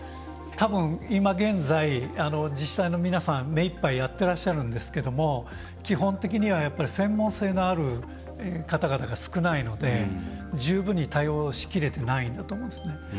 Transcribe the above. たぶん、今現在自治体の皆さん、目いっぱいやってらっしゃるんですけども基本的には専門性のある方々が少ないので十分に対応しきれてないんだと思うんですね。